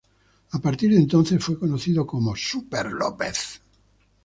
A partir de entonces fue conocido como "Superlópez".